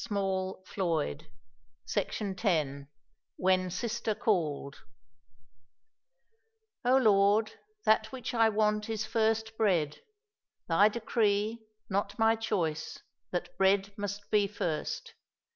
WHEN SISTER CALLED "O Lord, That which I want is first bread Thy decree, not my choice, that bread must be first."